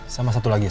sama satu lagi sal